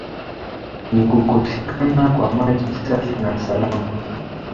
ni kukosekana kwa maji safi na salama